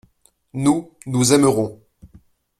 Nous, nous aimerons.